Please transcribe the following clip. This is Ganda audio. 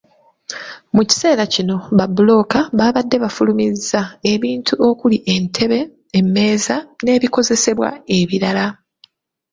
Mu kiseera kino babbulooka baabadde bafulumizza ebintu okuli entebe, emmeeza n’ebikozesebwa ebirala.